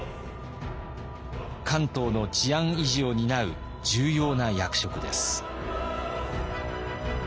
関東の治安維持を担う重要な役職です。